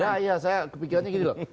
ya ya saya kepikirannya gini loh